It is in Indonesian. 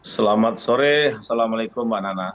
selamat sore assalamualaikum mbak nana